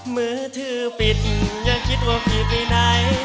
มือถือปิดยังคิดว่าผิดไหน